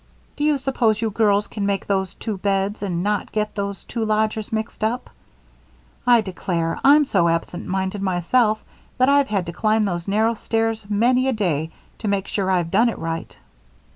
Do you suppose you girls can make those two beds and not get those two lodgers mixed up? I declare, I'm so absent minded myself that I've had to climb those narrow stairs many a day to make sure I'd done it right."